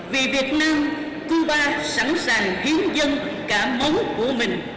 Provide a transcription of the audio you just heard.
vì việt nam cuba sẵn sàng hiến dân cả máu của mình